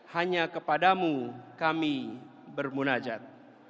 hanya kepadamu kami bermunajat